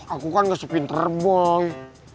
aku kan gak sepinter bang